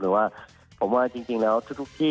แต่ว่าผมว่าจริงแล้วทุกที่